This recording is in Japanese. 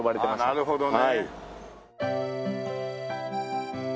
なるほどね。